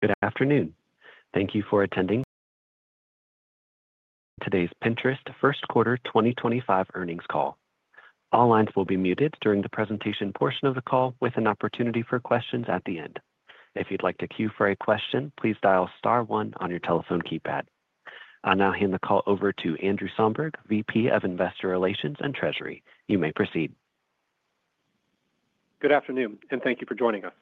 Good afternoon. Thank you for attending today's Pinterest First Quarter 2025 Earnings Call. All lines will be muted during the presentation portion of the call, with an opportunity for questions at the end. If you'd like to queue for a question, please dial star one on your telephone keypad. I'll now hand the call over to Andrew Somberg, VP of Investor Relations and Treasury. You may proceed. Good afternoon, and thank you for joining us.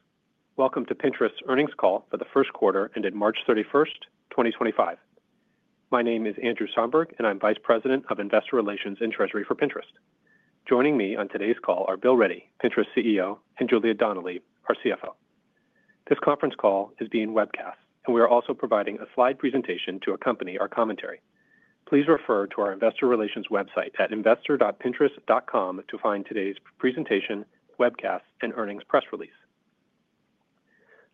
Welcome to Pinterest's Earnings Call for the First Quarter ended March 31st, 2025. My name is Andrew Somberg, and I'm Vice President of Investor Relations and Treasury for Pinterest. Joining me on today's call are Bill Ready, Pinterest CEO, and Julia Donnelly, our CFO. This conference call is being webcast, and we are also providing a slide presentation to accompany our commentary. Please refer to our Investor Relations website at investor.pinterest.com to find today's presentation, webcast, and earnings press release.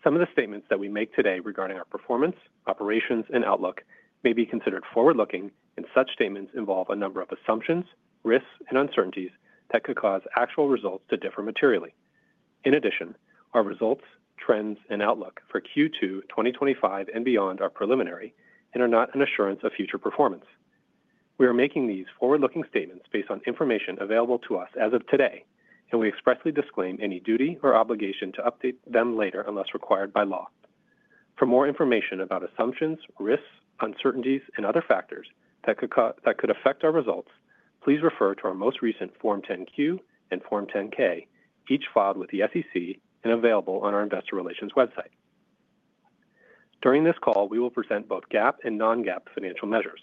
Some of the statements that we make today regarding our performance, operations, and outlook may be considered forward-looking, and such statements involve a number of assumptions, risks, and uncertainties that could cause actual results to differ materially. In addition, our results, trends, and outlook for Q2 2025 and beyond are preliminary and are not an assurance of future performance. We are making these forward-looking statements based on information available to us as of today, and we expressly disclaim any duty or obligation to update them later unless required by law. For more information about assumptions, risks, uncertainties, and other factors that could affect our results, please refer to our most recent Form 10-Q and Form 10-K, each filed with the SEC and available on our Investor Relations website. During this call, we will present both GAAP and non-GAAP financial measures.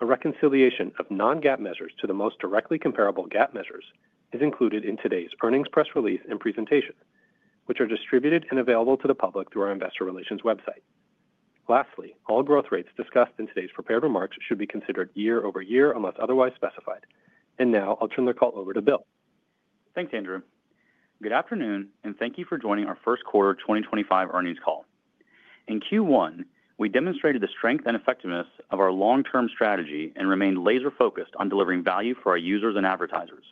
A reconciliation of non-GAAP measures to the most directly comparable GAAP measures is included in today's earnings press release and presentation, which are distributed and available to the public through our Investor Relations website. Lastly, all growth rates discussed in today's prepared remarks should be considered year over year unless otherwise specified, and now I'll turn the call over to Bill. Thanks, Andrew. Good afternoon, and thank you for joining our First Quarter 2025 Earnings Call. In Q1, we demonstrated the strength and effectiveness of our long-term strategy and remained laser-focused on delivering value for our users and advertisers.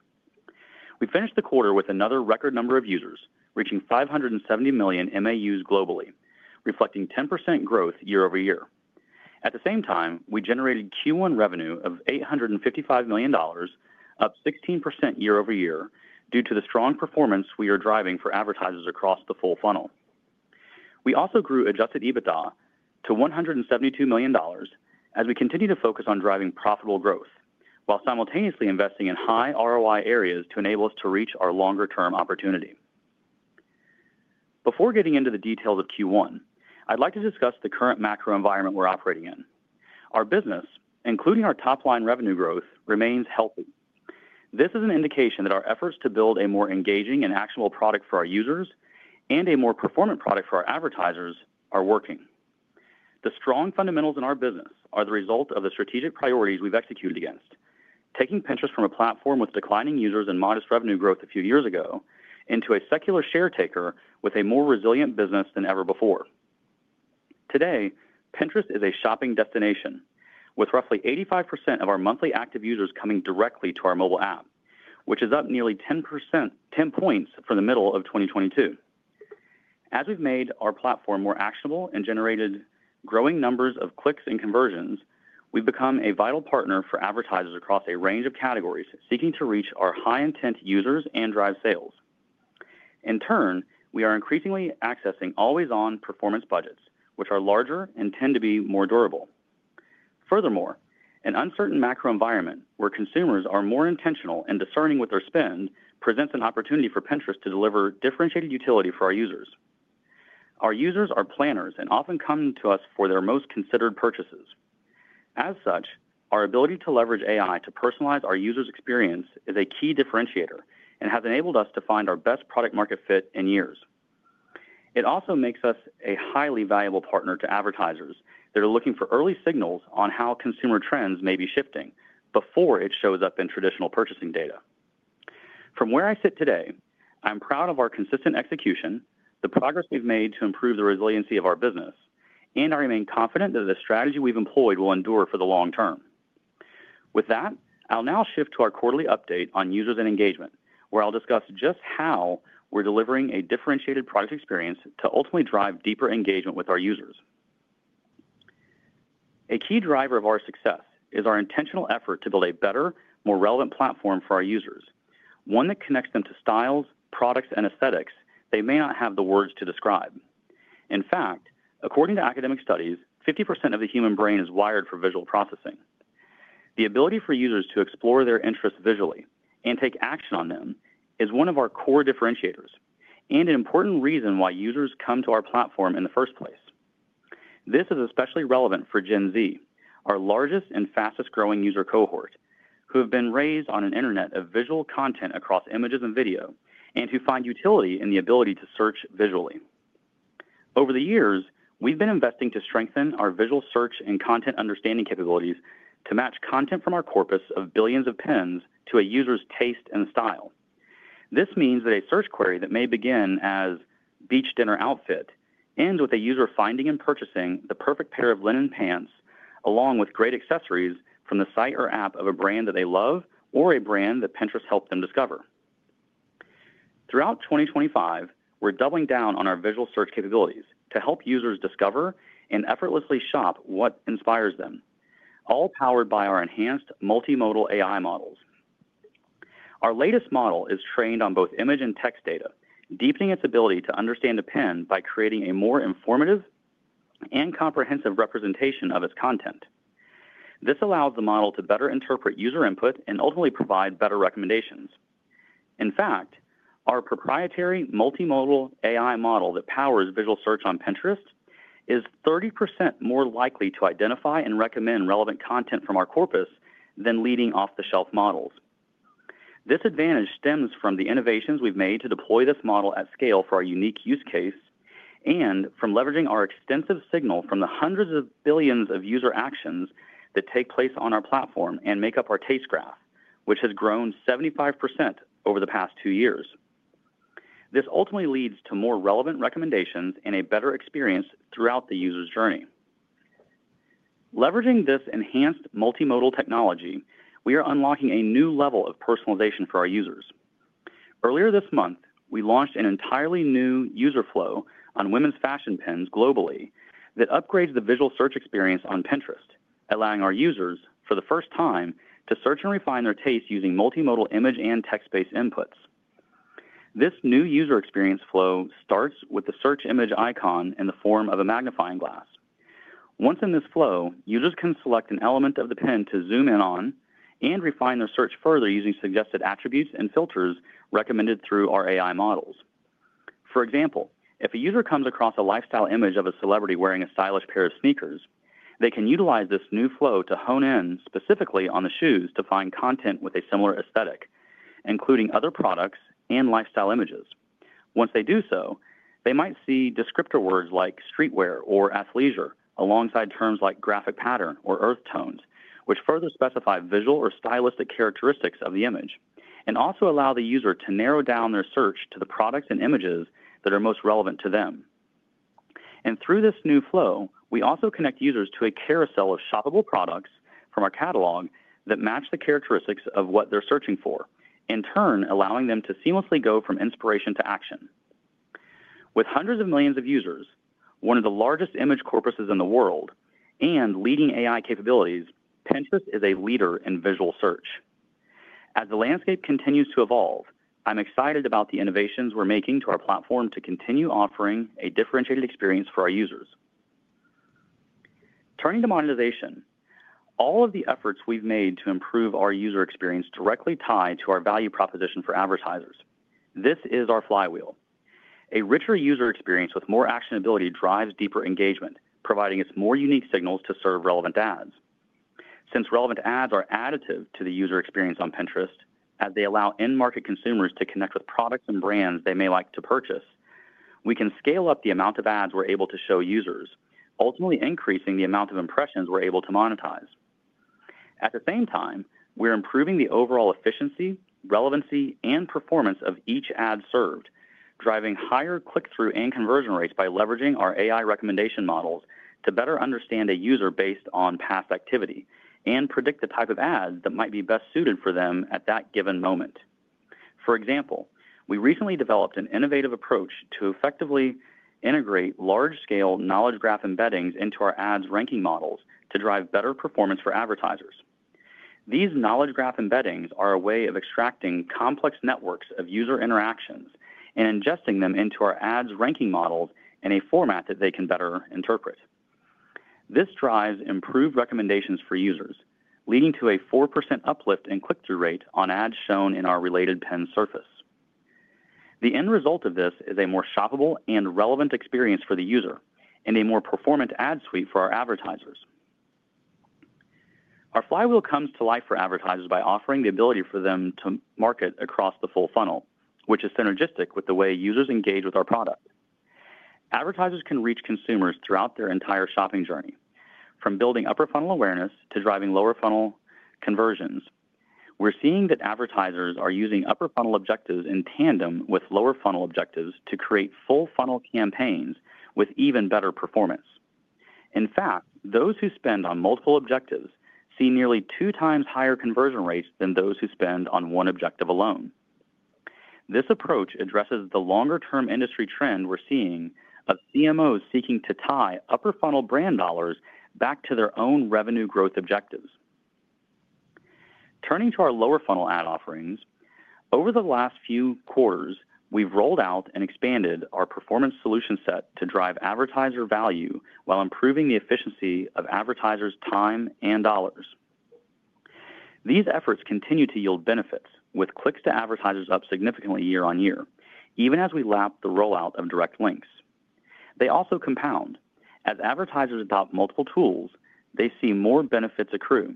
We finished the quarter with another record number of users, reaching 570 million MAUs globally, reflecting 10% growth year over year. At the same time, we generated Q1 revenue of $855 million, up 16% year over year due to the strong performance we are driving for advertisers across the full funnel. We also grew Adjusted EBITDA to $172 million as we continue to focus on driving profitable growth while simultaneously investing in high ROI areas to enable us to reach our longer-term opportunity. Before getting into the details of Q1, I'd like to discuss the current macro environment we're operating in. Our business, including our top-line revenue growth, remains healthy. This is an indication that our efforts to build a more engaging and actionable product for our users and a more performant product for our advertisers are working. The strong fundamentals in our business are the result of the strategic priorities we've executed against, taking Pinterest from a platform with declining users and modest revenue growth a few years ago into a secular share taker with a more resilient business than ever before. Today, Pinterest is a shopping destination, with roughly 85% of our monthly active users coming directly to our mobile app, which is up nearly 10 points from the middle of 2022. As we've made our platform more actionable and generated growing numbers of clicks and conversions, we've become a vital partner for advertisers across a range of categories seeking to reach our high-intent users and drive sales. In turn, we are increasingly accessing always-on performance budgets, which are larger and tend to be more durable. Furthermore, an uncertain macro environment where consumers are more intentional and discerning with their spend presents an opportunity for Pinterest to deliver differentiated utility for our users. Our users are planners and often come to us for their most considered purchases. As such, our ability to leverage AI to personalize our users' experience is a key differentiator and has enabled us to find our best product-market fit in years. It also makes us a highly valuable partner to advertisers that are looking for early signals on how consumer trends may be shifting before it shows up in traditional purchasing data. From where I sit today, I'm proud of our consistent execution, the progress we've made to improve the resiliency of our business, and I remain confident that the strategy we've employed will endure for the long term. With that, I'll now shift to our quarterly update on users and engagement, where I'll discuss just how we're delivering a differentiated product experience to ultimately drive deeper engagement with our users. A key driver of our success is our intentional effort to build a better, more relevant platform for our users, one that connects them to styles, products, and aesthetics they may not have the words to describe. In fact, according to academic studies, 50% of the human brain is wired for visual processing. The ability for users to explore their interests visually and take action on them is one of our core differentiators and an important reason why users come to our platform in the first place. This is especially relevant for Gen Z, our largest and fastest-growing user cohort, who have been raised on an internet of visual content across images and video and who find utility in the ability to search visually. Over the years, we've been investing to strengthen our visual search and content understanding capabilities to match content from our corpus of billions of Pins to a user's taste and style. This means that a search query that may begin as "beach dinner outfit" ends with a user finding and purchasing the perfect pair of linen pants along with great accessories from the site or app of a brand that they love or a brand that Pinterest helped them discover. Throughout 2025, we're doubling down on our visual search capabilities to help users discover and effortlessly shop what inspires them, all powered by our enhanced multimodal AI models. Our latest model is trained on both image and text data, deepening its ability to understand a Pin by creating a more informative and comprehensive representation of its content. This allows the model to better interpret user input and ultimately provide better recommendations. In fact, our proprietary multimodal AI model that powers visual search on Pinterest is 30% more likely to identify and recommend relevant content from our corpus than leading off-the-shelf models. This advantage stems from the innovations we've made to deploy this model at scale for our unique use case and from leveraging our extensive signal from the hundreds of billions of user actions that take place on our platform and make up our Taste Graph, which has grown 75% over the past two years. This ultimately leads to more relevant recommendations and a better experience throughout the user's journey. Leveraging this enhanced multimodal technology, we are unlocking a new level of personalization for our users. Earlier this month, we launched an entirely new user flow on women's fashion Pins globally that upgrades the visual search experience on Pinterest, allowing our users, for the first time, to search and refine their tastes using multimodal image and text-based inputs. This new user experience flow starts with the search image icon in the form of a magnifying glass. Once in this flow, users can select an element of the Pin to zoom in on and refine their search further using suggested attributes and filters recommended through our AI models. For example, if a user comes across a lifestyle image of a celebrity wearing a stylish pair of sneakers, they can utilize this new flow to hone in specifically on the shoes to find content with a similar aesthetic, including other products and lifestyle images. Once they do so, they might see descriptor words like streetwear or athleisure alongside terms like graphic pattern or earth tones, which further specify visual or stylistic characteristics of the image and also allow the user to narrow down their search to the products and images that are most relevant to them. Through this new flow, we also connect users to a carousel of shoppable products from our catalog that match the characteristics of what they're searching for, in turn allowing them to seamlessly go from inspiration to action. With hundreds of millions of users, one of the largest image corpuses in the world, and leading AI capabilities, Pinterest is a leader in visual search. As the landscape continues to evolve, I'm excited about the innovations we're making to our platform to continue offering a differentiated experience for our users. Turning to monetization, all of the efforts we've made to improve our user experience directly tie to our value proposition for advertisers. This is our flywheel. A richer user experience with more actionability drives deeper engagement, providing us more unique signals to serve relevant ads. Since relevant ads are additive to the user experience on Pinterest, as they allow in-market consumers to connect with products and brands they may like to purchase, we can scale up the amount of ads we're able to show users, ultimately increasing the amount of impressions we're able to monetize. At the same time, we're improving the overall efficiency, relevancy, and performance of each ad served, driving higher click-through and conversion rates by leveraging our AI recommendation models to better understand a user based on past activity and predict the type of ads that might be best suited for them at that given moment. For example, we recently developed an innovative approach to effectively integrate large-scale knowledge graph embeddings into our ads ranking models to drive better performance for advertisers. These knowledge graph embeddings are a way of extracting complex networks of user interactions and ingesting them into our ads ranking models in a format that they can better interpret. This drives improved recommendations for users, leading to a 4% uplift in click-through rate on ads shown in our related Pin surface. The end result of this is a more shoppable and relevant experience for the user and a more performant ad suite for our advertisers. Our flywheel comes to life for advertisers by offering the ability for them to market across the full funnel, which is synergistic with the way users engage with our product. Advertisers can reach consumers throughout their entire shopping journey, from building upper funnel awareness to driving lower funnel conversions. We're seeing that advertisers are using upper funnel objectives in tandem with lower funnel objectives to create full funnel campaigns with even better performance. In fact, those who spend on multiple objectives see nearly two times higher conversion rates than those who spend on one objective alone. This approach addresses the longer-term industry trend we're seeing of CMOs seeking to tie upper funnel brand dollars back to their own revenue growth objectives. Turning to our lower funnel ad offerings, over the last few quarters, we've rolled out and expanded our performance solution set to drive advertiser value while improving the efficiency of advertisers' time and dollars. These efforts continue to yield benefits, with clicks to advertisers up significantly year on year, even as we lap the rollout of Direct Links. They also compound. As advertisers adopt multiple tools, they see more benefits accrue.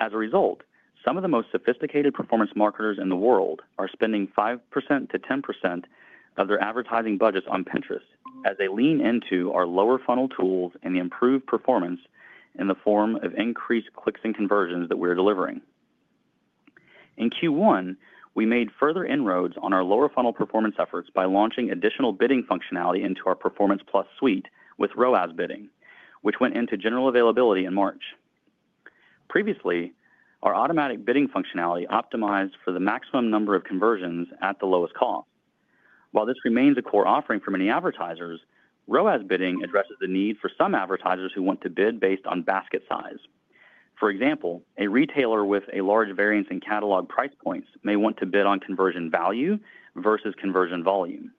As a result, some of the most sophisticated performance marketers in the world are spending 5% to 10% of their advertising budgets on Pinterest as they lean into our lower funnel tools and the improved performance in the form of increased clicks and conversions that we're delivering. In Q1, we made further inroads on our lower funnel performance efforts by launching additional bidding functionality into our Performance+ suite with ROAS bidding, which went into general availability in March. Previously, our automatic bidding functionality optimized for the maximum number of conversions at the lowest cost. While this remains a core offering for many advertisers, ROAS bidding addresses the need for some advertisers who want to bid based on basket size. For example, a retailer with a large variance in catalog price points may want to bid on conversion value versus conversion volume.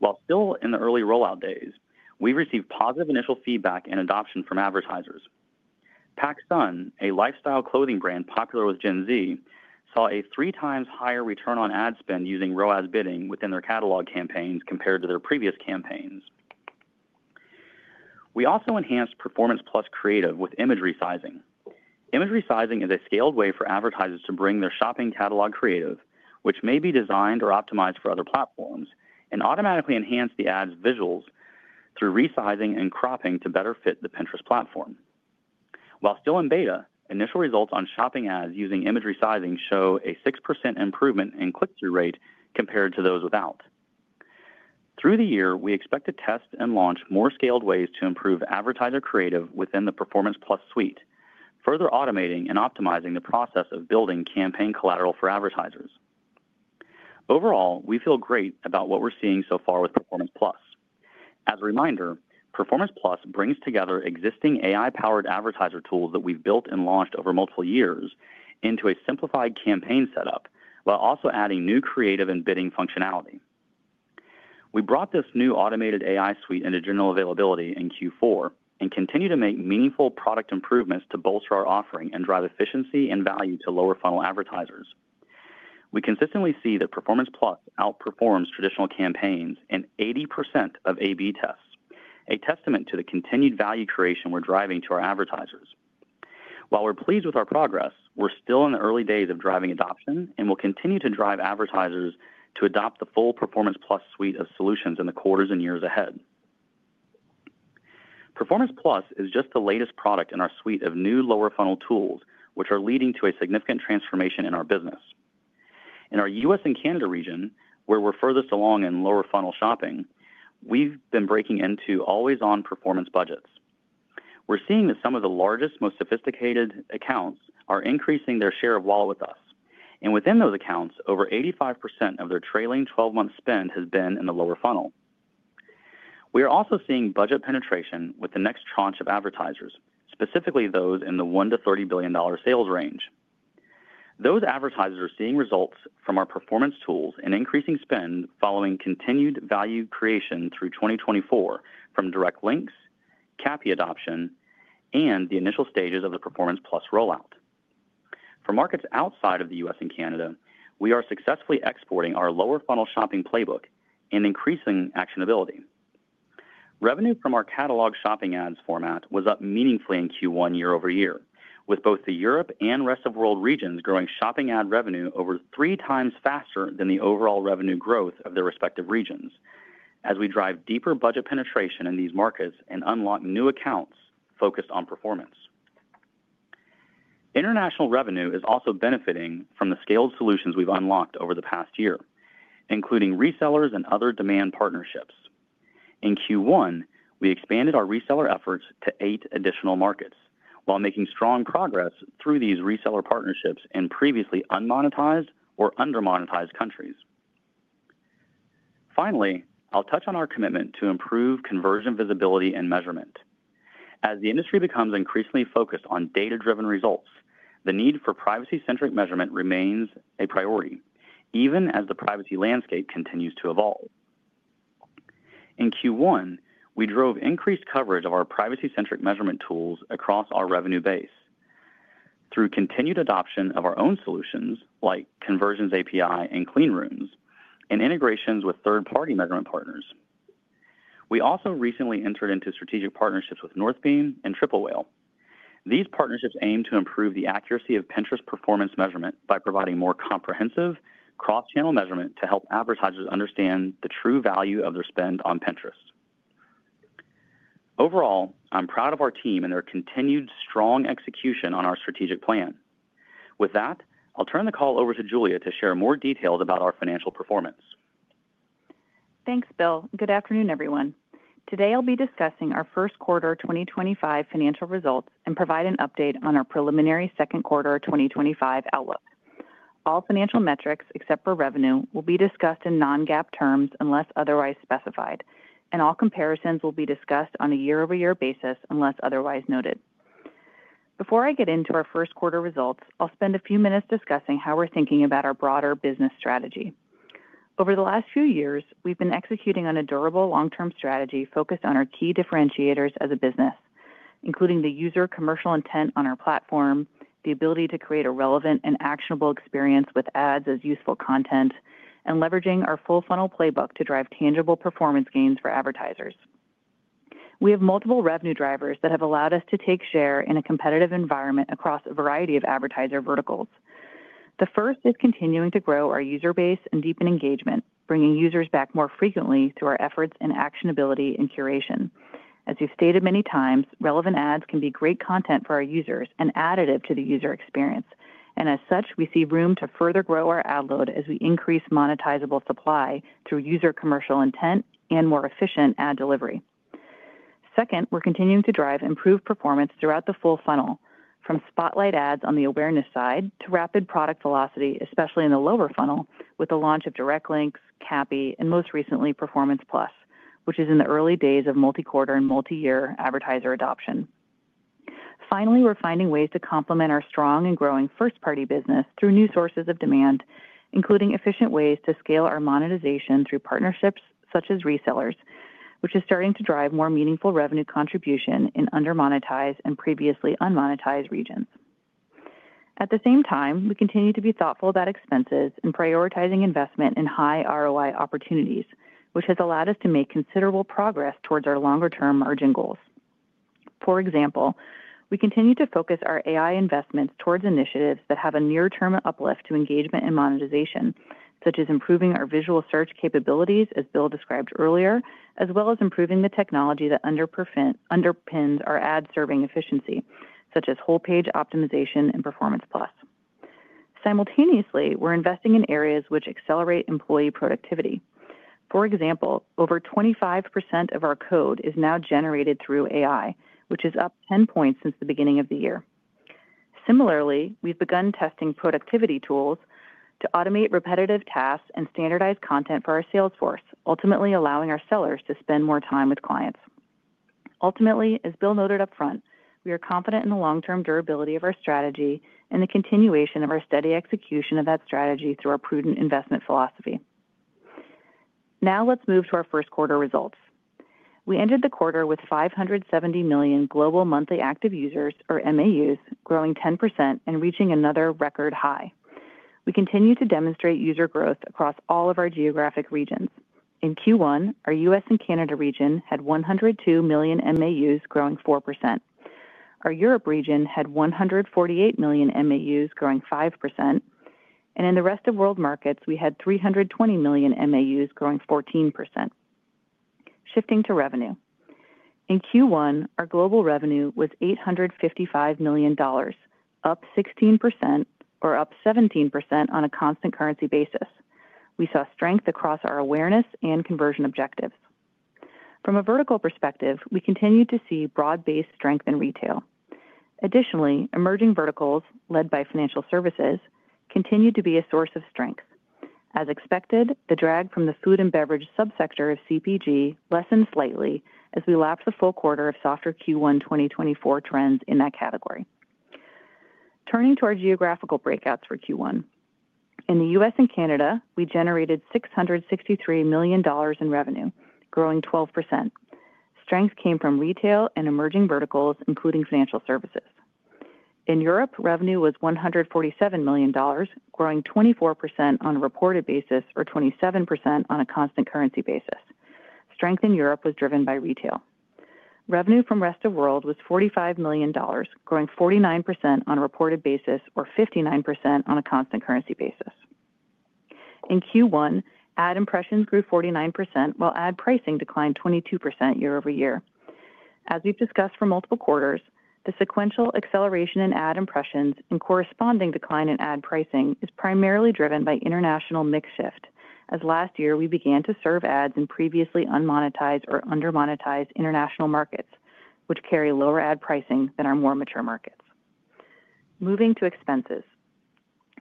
While still in the early rollout days, we received positive initial feedback and adoption from advertisers. PacSun, a lifestyle clothing brand popular with Gen Z, saw a three-times higher return on ad spend using ROAS bidding within their catalog campaigns compared to their previous campaigns. We also enhanced Performance Plus Creative with image resizing. Image resizing is a scaled way for advertisers to bring their shopping catalog creative, which may be designed or optimized for other platforms, and automatically enhance the ad's visuals through resizing and cropping to better fit the Pinterest platform. While still in beta, initial results on shopping ads using image resizing show a 6% improvement in click-through rate compared to those without. Through the year, we expect to test and launch more scaled ways to improve advertiser creative within the Performance Plus suite, further automating and optimizing the process of building campaign collateral for advertisers. Overall, we feel great about what we're seeing so far with Performance Plus. As a reminder, Performance Plus brings together existing AI-powered advertiser tools that we've built and launched over multiple years into a simplified campaign setup while also adding new creative and bidding functionality. We brought this new automated AI suite into general availability in Q4 and continue to make meaningful product improvements to bolster our offering and drive efficiency and value to lower funnel advertisers. We consistently see that Performance Plus outperforms traditional campaigns in 80% of A/B tests, a testament to the continued value creation we're driving to our advertisers. While we're pleased with our progress, we're still in the early days of driving adoption and will continue to drive advertisers to adopt the full Performance Plus suite of solutions in the quarters and years ahead. Performance Plus is just the latest product in our suite of new lower funnel tools, which are leading to a significant transformation in our business. In our U.S. and Canada region, where we're furthest along in lower funnel shopping, we've been breaking into always-on performance budgets. We're seeing that some of the largest, most sophisticated accounts are increasing their share of wallet with us, and within those accounts, over 85% of their trailing 12-month spend has been in the lower funnel. We are also seeing budget penetration with the next tranche of advertisers, specifically those in the $1 to $30 billion sales range. Those advertisers are seeing results from our performance tools and increasing spend following continued value creation through 2024 from Direct Links, CAPI adoption, and the initial stages of the Performance Plus rollout. For markets outside of the U.S. and Canada, we are successfully exporting our lower funnel shopping playbook and increasing actionability. Revenue from our catalog shopping ads format was up meaningfully in Q1 year over year, with both the Europe and Rest of World regions growing shopping ad revenue over three times faster than the overall revenue growth of their respective regions, as we drive deeper budget penetration in these markets and unlock new accounts focused on performance. International revenue is also benefiting from the scaled solutions we've unlocked over the past year, including resellers and other demand partnerships. In Q1, we expanded our reseller efforts to eight additional markets, while making strong progress through these reseller partnerships in previously unmonetized or undermonetized countries. Finally, I'll touch on our commitment to improve conversion visibility and measurement. As the industry becomes increasingly focused on data-driven results, the need for privacy-centric measurement remains a priority, even as the privacy landscape continues to evolve. In Q1, we drove increased coverage of our privacy-centric measurement tools across our revenue base through continued adoption of our own solutions, like Conversions API and Clean Rooms, and integrations with third-party measurement partners. We also recently entered into strategic partnerships with Northbeam and Triple Whale. These partnerships aim to improve the accuracy of Pinterest performance measurement by providing more comprehensive, cross-channel measurement to help advertisers understand the true value of their spend on Pinterest. Overall, I'm proud of our team and their continued strong execution on our strategic plan. With that, I'll turn the call over to Julia to share more details about our financial performance. Thanks, Bill. Good afternoon, everyone. Today, I'll be discussing our first quarter 2025 financial results and provide an update on our preliminary second quarter 2025 outlook. All financial metrics, except for revenue, will be discussed in Non-GAAP terms unless otherwise specified, and all comparisons will be discussed on a year over year basis unless otherwise noted. Before I get into our first quarter results, I'll spend a few minutes discussing how we're thinking about our broader business strategy. Over the last few years, we've been executing on a durable long-term strategy focused on our key differentiators as a business, including the user commercial intent on our platform, the ability to create a relevant and actionable experience with ads as useful content, and leveraging our full funnel playbook to drive tangible performance gains for advertisers. We have multiple revenue drivers that have allowed us to take share in a competitive environment across a variety of advertiser verticals. The first is continuing to grow our user base and deepen engagement, bringing users back more frequently through our efforts in actionability and curation. As we've stated many times, relevant ads can be great content for our users and additive to the user experience. And as such, we see room to further grow our ad load as we increase monetizable supply through user commercial intent and more efficient ad delivery. Second, we're continuing to drive improved performance throughout the full funnel, from Spotlight ads on the awareness side to rapid product velocity, especially in the lower funnel, with the launch of Direct Links, CAPI, and most recently, Performance Plus, which is in the early days of multi-quarter and multi-year advertiser adoption. Finally, we're finding ways to complement our strong and growing first-party business through new sources of demand, including efficient ways to scale our monetization through partnerships such as resellers, which is starting to drive more meaningful revenue contribution in undermonetized and previously unmonetized regions. At the same time, we continue to be thoughtful about expenses and prioritizing investment in high ROI opportunities, which has allowed us to make considerable progress towards our longer-term margin goals. For example, we continue to focus our AI investments towards initiatives that have a near-term uplift to engagement and monetization, such as improving our visual search capabilities, as Bill described earlier, as well as improving the technology that underpins our ad serving efficiency, such as Whole Page Optimization and Performance Plus. Simultaneously, we're investing in areas which accelerate employee productivity. For example, over 25% of our code is now generated through AI, which is up 10 points since the beginning of the year. Similarly, we've begun testing productivity tools to automate repetitive tasks and standardize content for our sales force, ultimately allowing our sellers to spend more time with clients. Ultimately, as Bill noted upfront, we are confident in the long-term durability of our strategy and the continuation of our steady execution of that strategy through our prudent investment philosophy. Now let's move to our first quarter results. We ended the quarter with 570 million global monthly active users, or MAUs, growing 10% and reaching another record high. We continue to demonstrate user growth across all of our geographic regions. In Q1, our US and Canada region had 102 million MAUs, growing 4%. Our Europe region had 148 million MAUs, growing 5%. And in the Rest of World markets, we had 320 million MAUs, growing 14%. Shifting to revenue. In Q1, our global revenue was $855 million, up 16%, or up 17% on a constant currency basis. We saw strength across our awareness and conversion objectives. From a vertical perspective, we continue to see broad-based strength in retail. Additionally, emerging verticals led by financial services continue to be a source of strength. As expected, the drag from the food and beverage subsector of CPG lessened slightly as we lapped the full quarter of softer Q1 2024 trends in that category. Turning to our geographical breakouts for Q1. In the U.S. and Canada, we generated $663 million in revenue, growing 12%. Strength came from retail and emerging verticals, including financial services. In Europe, revenue was $147 million, growing 24% on a reported basis, or 27% on a constant currency basis. Strength in Europe was driven by retail. Revenue from Rest of World was $45 million, growing 49% on a reported basis, or 59% on a constant currency basis. In Q1, ad impressions grew 49%, while ad pricing declined 22% year over year. As we've discussed for multiple quarters, the sequential acceleration in ad impressions and corresponding decline in ad pricing is primarily driven by international mix shift, as last year we began to serve ads in previously unmonetized or undermonetized international markets, which carry lower ad pricing than our more mature markets. Moving to expenses.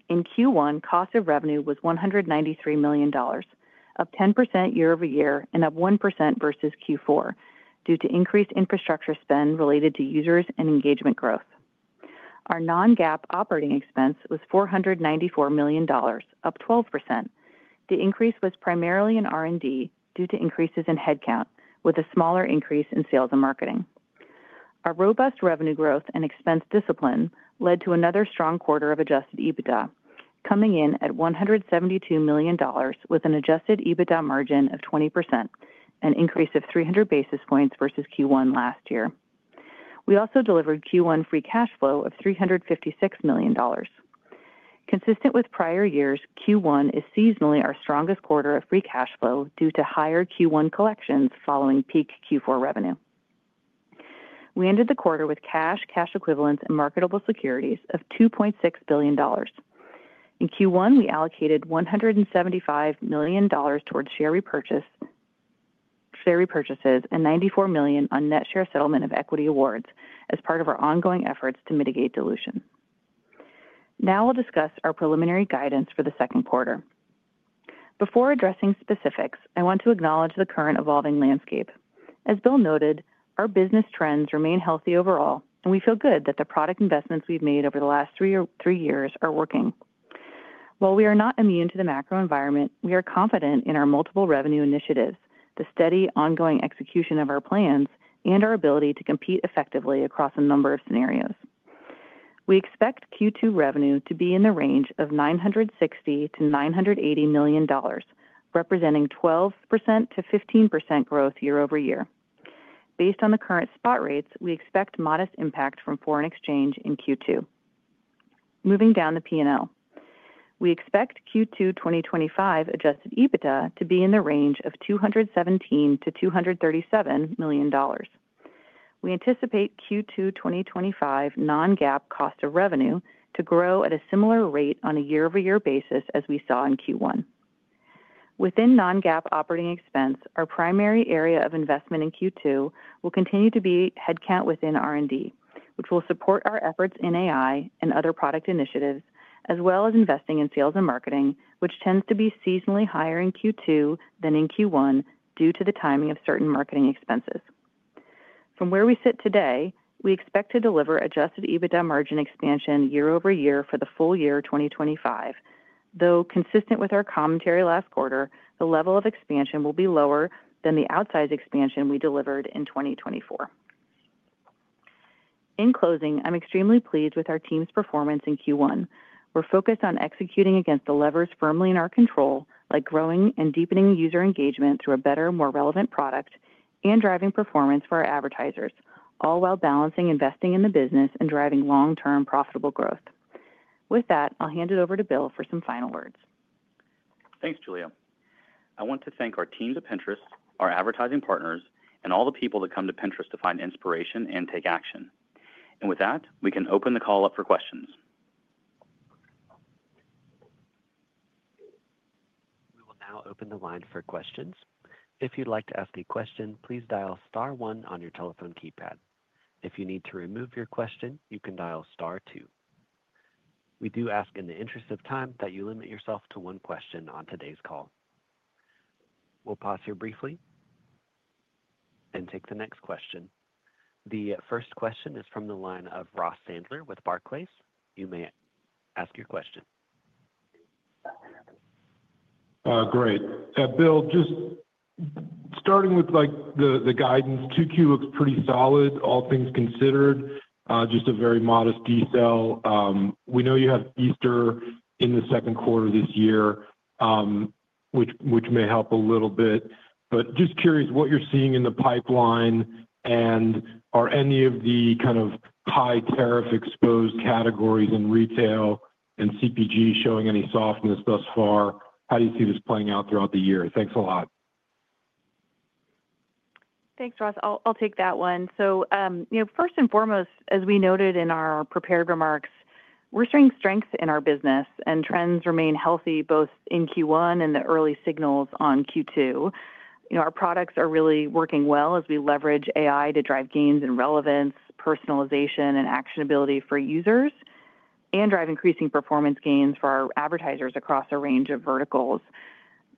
In Q1, cost of revenue was $193 million, up 10% year over year and up 1% versus Q4, due to increased infrastructure spend related to users and engagement growth. Our Non-GAAP operating expense was $494 million, up 12%. The increase was primarily in R&D due to increases in headcount, with a smaller increase in sales and marketing. Our robust revenue growth and expense discipline led to another strong quarter of Adjusted EBITDA, coming in at $172 million with an Adjusted EBITDA margin of 20%, an increase of 300 basis points versus Q1 last year. We also delivered Q1 free cash flow of $356 million. Consistent with prior years, Q1 is seasonally our strongest quarter of free cash flow due to higher Q1 collections following peak Q4 revenue. We ended the quarter with cash, cash equivalents, and marketable securities of $2.6 billion. In Q1, we allocated $175 million towards share repurchases and $94 million on net share settlement of equity awards as part of our ongoing efforts to mitigate dilution. Now I'll discuss our preliminary guidance for the second quarter. Before addressing specifics, I want to acknowledge the current evolving landscape. As Bill noted, our business trends remain healthy overall, and we feel good that the product investments we've made over the last three years are working. While we are not immune to the macro environment, we are confident in our multiple revenue initiatives, the steady ongoing execution of our plans, and our ability to compete effectively across a number of scenarios. We expect Q2 revenue to be in the range of $960 to $980 million, representing 12% to 15% growth year over year. Based on the current spot rates, we expect modest impact from foreign exchange in Q2. Moving down the P&L, we expect Q2 2025 Adjusted EBITDA to be in the range of $217 to $237 million. We anticipate Q2 2025 Non-GAAP cost of revenue to grow at a similar rate on a year over year basis as we saw in Q1. Within Non-GAAP operating expense, our primary area of investment in Q2 will continue to be headcount within R&D, which will support our efforts in AI and other product initiatives, as well as investing in sales and marketing, which tends to be seasonally higher in Q2 than in Q1 due to the timing of certain marketing expenses. From where we sit today, we expect to deliver Adjusted EBITDA margin expansion year over year for the full year 2025, though consistent with our commentary last quarter, the level of expansion will be lower than the outsize expansion we delivered in 2024. In closing, I'm extremely pleased with our team's performance in Q1. We're focused on executing against the levers firmly in our control, like growing and deepening user engagement through a better, more relevant product and driving performance for our advertisers, all while balancing investing in the business and driving long-term profitable growth. With that, I'll hand it over to Bill for some final words. Thanks, Julia. I want to thank our team at Pinterest, our advertising partners, and all the people that come to Pinterest to find inspiration and take action. And with that, we can open the call up for questions. We will now open the line for questions. If you'd like to ask a question, please dial star one on your telephone keypad. If you need to remove your question, you can dial star two. We do ask in the interest of time that you limit yourself to one question on today's call. We'll pause here briefly and take the next question. The first question is from the line of Ross Sandler with Barclays. You may ask your question. Great. Bill, just starting with the guidance, Q2 looks pretty solid, all things considered, just a very modest decel. We know you have Easter in the second quarter this year, which may help a little bit. But just curious what you're seeing in the pipeline, and are any of the kind of high tariff-exposed categories in retail and CPG showing any softness thus far? How do you see this playing out throughout the year? Thanks a lot. Thanks, Ross. I'll take that one. So first and foremost, as we noted in our prepared remarks, we're showing strength in our business, and trends remain healthy both in Q1 and the early signals on Q2. Our products are really working well as we leverage AI to drive gains in relevance, personalization, and actionability for users, and drive increasing performance gains for our advertisers across a range of verticals.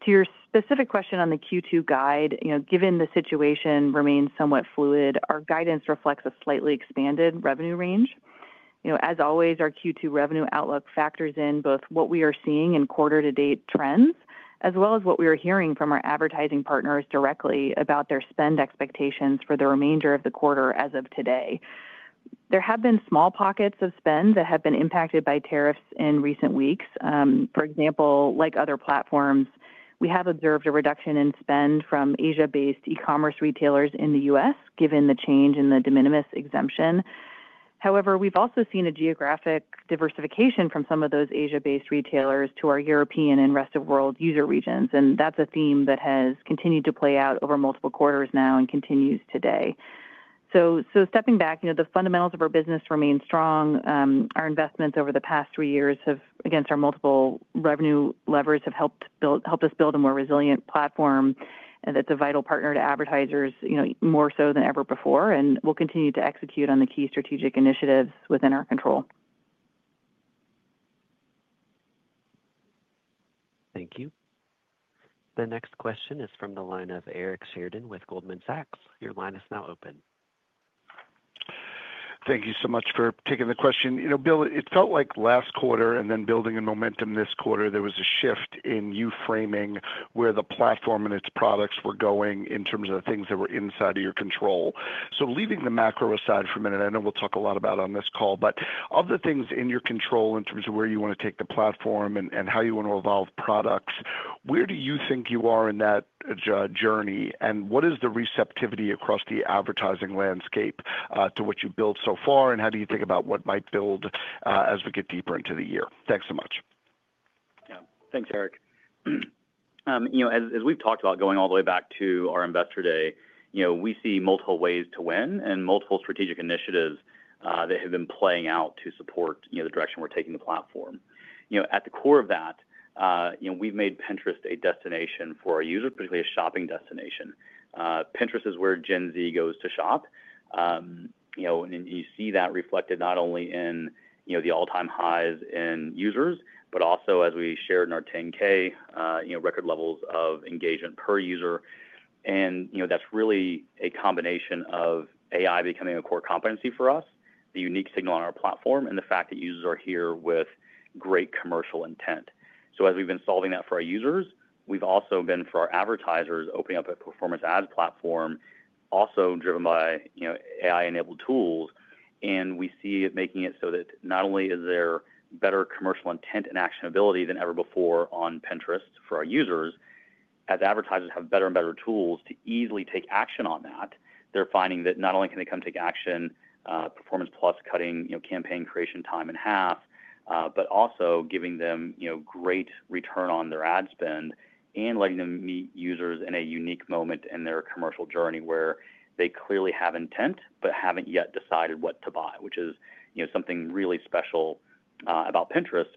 To your specific question on the Q2 guide, given the situation remains somewhat fluid, our guidance reflects a slightly expanded revenue range. As always, our Q2 revenue outlook factors in both what we are seeing in quarter-to-date trends as well as what we are hearing from our advertising partners directly about their spend expectations for the remainder of the quarter as of today. There have been small pockets of spend that have been impacted by tariffs in recent weeks. For example, like other platforms, we have observed a reduction in spend from Asia-based e-commerce retailers in the U.S., given the change in the de minimis exemption. However, we've also seen a geographic diversification from some of those Asia-based retailers to our European and Rest of World user regions. And that's a theme that has continued to play out over multiple quarters now and continues today. So stepping back, the fundamentals of our business remain strong. Our investments over the past three years against our multiple revenue levers have helped us build a more resilient platform, and it's a vital partner to advertisers more so than ever before. And we'll continue to execute on the key strategic initiatives within our control. Thank you. The next question is from the line of Eric Sheridan with Goldman Sachs. Your line is now open. Thank you so much for taking the question. Bill, it felt like last quarter and then building on momentum this quarter, there was a shift in your framing where the platform and its products were going in terms of the things that were inside of your control. So leaving the macro aside for a minute, I know we'll talk a lot about on this call, but of the things in your control in terms of where you want to take the platform and how you want to evolve products, where do you think you are in that journey, and what is the receptivity across the advertising landscape to what you've built so far, and how do you think about what might build as we get deeper into the year? Thanks so much. Thanks, Eric. As we've talked about going all the way back to our Investor Day, we see multiple ways to win and multiple strategic initiatives that have been playing out to support the direction we're taking the platform. At the core of that, we've made Pinterest a destination for our users, particularly a shopping destination. Pinterest is where Gen Z goes to shop. And you see that reflected not only in the all-time highs in users, but also as we shared in our 10-K record levels of engagement per user. And that's really a combination of AI becoming a core competency for us, the unique signal on our platform, and the fact that users are here with great commercial intent. So as we've been solving that for our users, we've also been for our advertisers opening up a performance ads platform, also driven by AI-enabled tools. And we see it making it so that not only is there better commercial intent and actionability than ever before on Pinterest for our users, as advertisers have better and better tools to easily take action on that. They're finding that not only can they come take action, Performance Plus cutting campaign creation time in half, but also giving them great return on their ad spend and letting them meet users in a unique moment in their commercial journey where they clearly have intent but haven't yet decided what to buy, which is something really special about Pinterest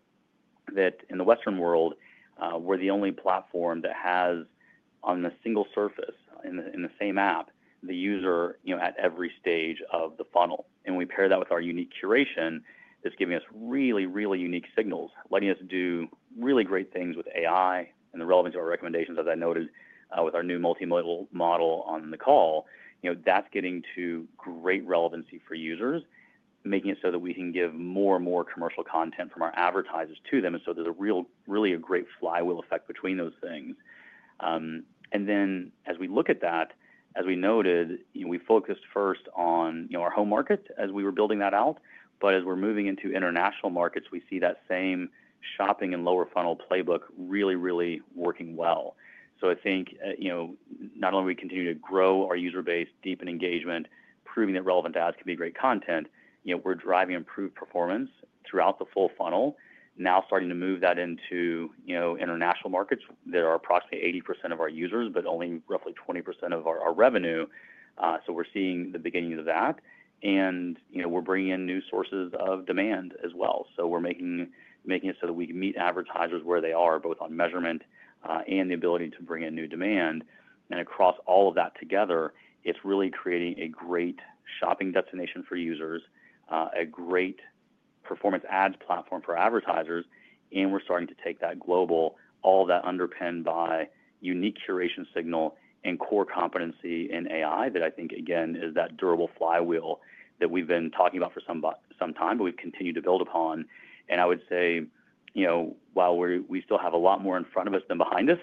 that in the Western World, we're the only platform that has on a single surface in the same app, the user at every stage of the funnel. And when we pair that with our unique curation, it's giving us really, really unique signals, letting us do really great things with AI and the relevance of our recommendations, as I noted with our new multimodal model on the call, that's getting to great relevancy for users, making it so that we can give more and more commercial content from our advertisers to them. And so there's a really great flywheel effect between those things. And then as we look at that, as we noted, we focused first on our home market as we were building that out, but as we're moving into international markets, we see that same shopping and lower funnel playbook really, really working well. So I think not only will we continue to grow our user base, deepen engagement, proving that relevant ads can be great content, we're driving improved performance throughout the full funnel, now starting to move that into international markets that are approximately 80% of our users, but only roughly 20% of our revenue. So we're seeing the beginning of that. And we're bringing in new sources of demand as well. So we're making it so that we can meet advertisers where they are, both on measurement and the ability to bring in new demand. And across all of that together, it's really creating a great shopping destination for users, a great performance ads platform for advertisers, and we're starting to take that global, all that underpinned by unique curation signal and core competency in AI that I think, again, is that durable flywheel that we've been talking about for some time, but we've continued to build upon. And I would say while we still have a lot more in front of us than behind us,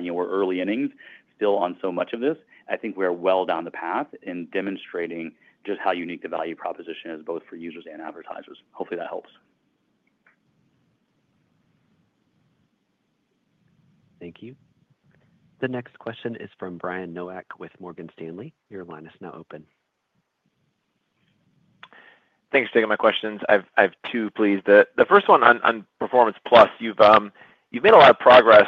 we're early innings still on so much of this. I think we are well down the path in demonstrating just how unique the value proposition is both for users and advertisers. Hopefully, that helps. Thank you. The next question is from Brian Nowak with Morgan Stanley. Your line is now open. Thanks for taking my questions. I have two, please. The first one on Performance Plus, you've made a lot of progress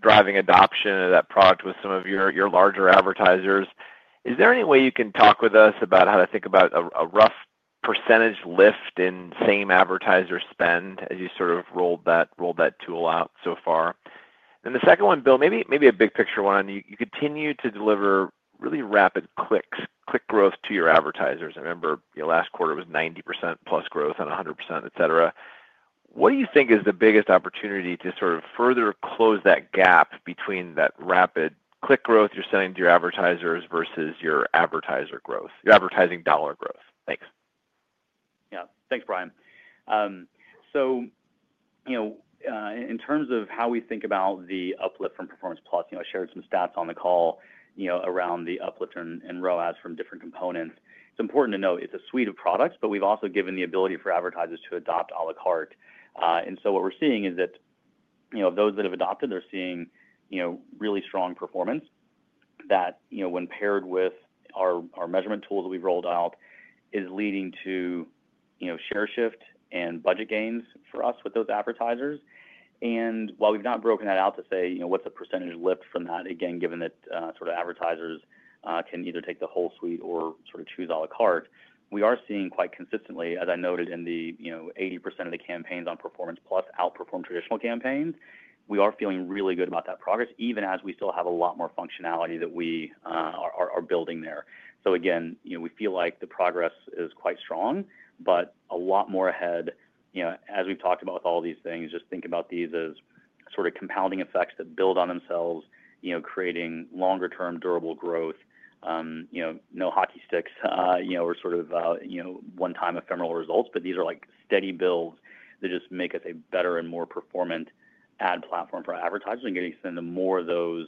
driving adoption of that product with some of your larger advertisers. Is there any way you can talk with us about how to think about a rough percentage lift in same advertiser spend as you sort of rolled that tool out so far? And the second one, Bill, maybe a big picture one on you continue to deliver really rapid clicks, click growth to your advertisers. I remember your last quarter was 90% plus growth and 100%, etc. What do you think is the biggest opportunity to sort of further close that gap between that rapid click growth you're sending to your advertisers versus your advertiser growth, your advertising dollar growth? Thanks. Yeah. Thanks, Brian. So in terms of how we think about the uplift from Performance Plus, I shared some stats on the call around the uplift in ROAS from different components. It's important to note it's a suite of products, but we've also given the ability for advertisers to adopt à la carte. And so what we're seeing is that those that have adopted, they're seeing really strong performance that when paired with our measurement tools that we've rolled out is leading to share shift and budget gains for us with those advertisers. And while we've not broken that out to say what's the percentage lift from that, again, given that sort of advertisers can either take the whole suite or sort of choose à la carte, we are seeing quite consistently, as I noted in the 80% of the campaigns on Performance Plus outperform traditional campaigns, we are feeling really good about that progress, even as we still have a lot more functionality that we are building there. So again, we feel like the progress is quite strong, but a lot more ahead. As we've talked about with all these things, just think about these as sort of compounding effects that build on themselves, creating longer-term durable growth. No hockey sticks or sort of one-time ephemeral results, but these are steady builds that just make us a better and more performant ad platform for advertisers and getting us into more of those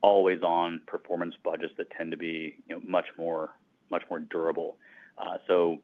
always-on performance budgets that tend to be much more durable. So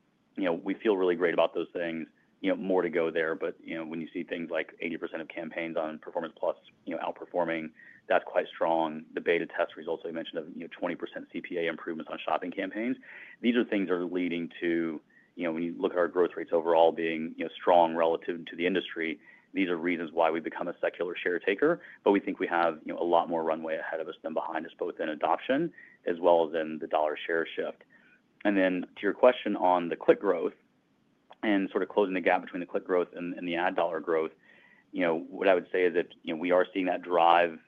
we feel really great about those things. More to go there, but when you see things like 80% of campaigns on Performance Plus outperforming, that's quite strong. The beta test results I mentioned of 20% CPA improvements on shopping campaigns, these are things that are leading to when you look at our growth rates overall being strong relative to the industry, these are reasons why we've become a secular share taker, but we think we have a lot more runway ahead of us than behind us, both in adoption as well as in the dollar share shift. And then, to your question on the click growth and sort of closing the gap between the click growth and the ad dollar growth, what I would say is that we are seeing that drive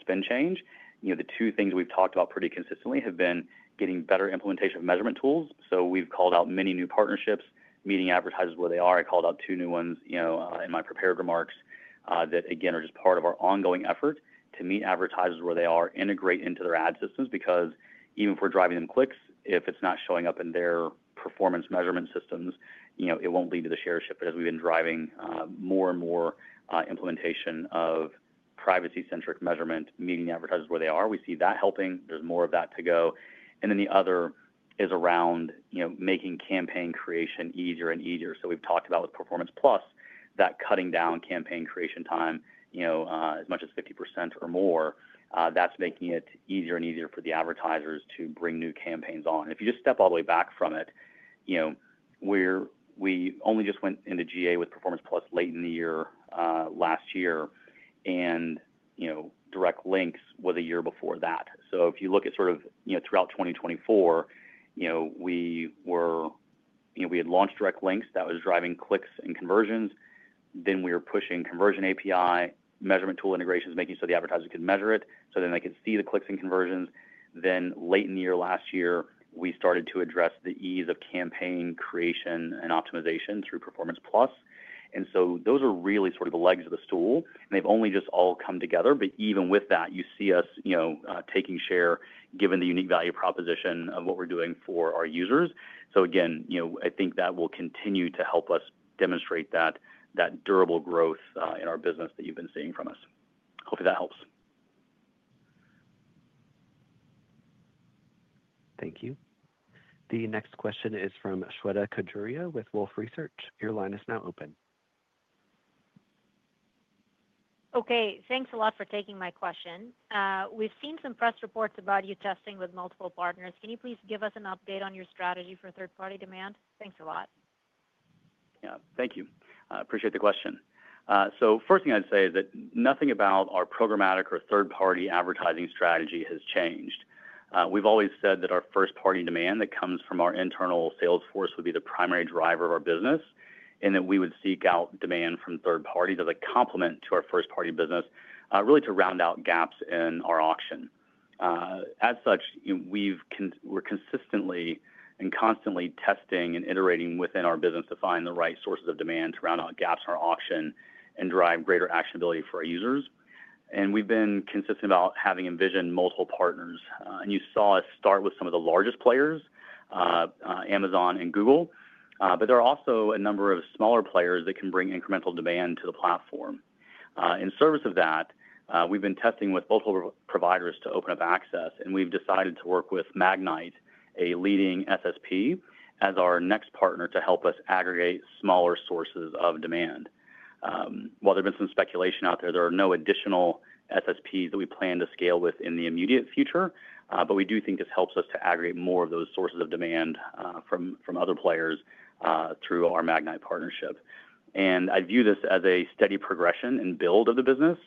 spend change. The two things we've talked about pretty consistently have been getting better implementation of measurement tools. So we've called out many new partnerships, meeting advertisers where they are. I called out two new ones in my prepared remarks that, again, are just part of our ongoing effort to meet advertisers where they are, integrate into their ad systems because even if we're driving them clicks, if it's not showing up in their performance measurement systems, it won't lead to the share shift. But as we've been driving more and more implementation of privacy-centric measurement, meeting advertisers where they are, we see that helping. There's more of that to go. And then the other is around making campaign creation easier and easier. So we've talked about with Performance Plus, that cutting down campaign creation time as much as 50% or more. That's making it easier and easier for the advertisers to bring new campaigns on. If you just step all the way back from it, we only just went into GA with Performance Plus late in the year last year, and Direct Links was a year before that. So if you look at sort of throughout 2024, we had launched Direct Links that was driving clicks and conversions. Then we were pushing Conversions API, measurement tool integrations, making sure the advertisers could measure it so then they could see the clicks and conversions. Then late in the year last year, we started to address the ease of campaign creation and optimization through Performance Plus. And so those are really sort of the legs of the stool, and they've only just all come together. But even with that, you see us taking share given the unique value proposition of what we're doing for our users. So again, I think that will continue to help us demonstrate that durable growth in our business that you've been seeing from us. Hopefully, that helps. Thank you. The next question is from Shweta Khajuria with Wolfe Research. Your line is now open. Okay. Thanks a lot for taking my question. We've seen some press reports about you testing with multiple partners. Can you please give us an update on your strategy for third-party demand? Thanks a lot. Yeah. Thank you. Appreciate the question. So first thing I'd say is that nothing about our programmatic or third-party advertising strategy has changed. We've always said that our first-party demand that comes from our internal salesforce would be the primary driver of our business and that we would seek out demand from third parties as a complement to our first-party business, really to round out gaps in our auction. As such, we're consistently and constantly testing and iterating within our business to find the right sources of demand to round out gaps in our auction and drive greater actionability for our users, and we've been consistent about having envisioned multiple partners, and you saw us start with some of the largest players, Amazon and Google, but there are also a number of smaller players that can bring incremental demand to the platform. In service of that, we've been testing with multiple providers to open up access, and we've decided to work with Magnite, a leading SSP, as our next partner to help us aggregate smaller sources of demand. While there's been some speculation out there, there are no additional SSPs that we plan to scale with in the immediate future, but we do think this helps us to aggregate more of those sources of demand from other players through our Magnite partnership, and I view this as a steady progression and build of the business,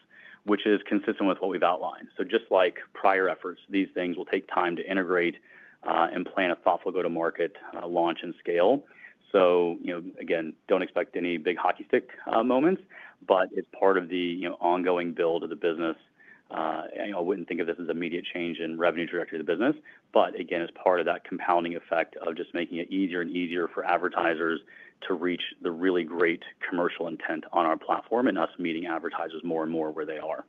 which is consistent with what we've outlined, so just like prior efforts, these things will take time to integrate and plan a thoughtful go-to-market launch and scale, so again, don't expect any big hockey stick moments, but it's part of the ongoing build of the business. I wouldn't think of this as immediate change in revenue trajectory of the business, but again, it's part of that compounding effect of just making it easier and easier for advertisers to reach the really great commercial intent on our platform and us meeting advertisers more and more where they are.